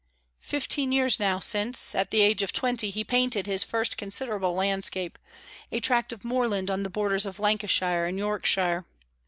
Fifteen years now, since, at the age of twenty, he painted his first considerable landscape, a tract of moorland on the borders of Lancashire and Yorkshire.